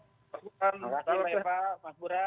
selamat malam pak yusuf pak muradi pak yusuf pak burhan